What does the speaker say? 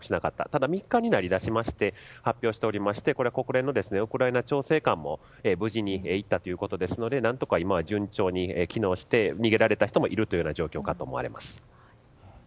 ただ３日以内に出しまして発表しておりまして国連のウクライナ調整官も無事にいったということですので順調に機能して逃げられた人もいるという状況かと思われます。